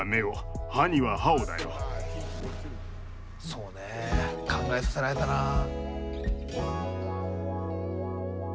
そうね考えさせられたなあ。